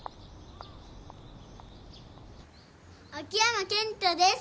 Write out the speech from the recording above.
秋山健太です。